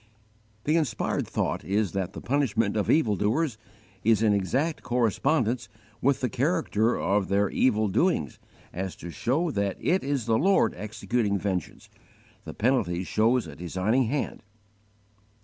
The inspired thought is that the punishment of evil doers is in such exact correspondence with the character of their evil doings as to show that it is the Lord executing vengeance the penalty shows a designing hand.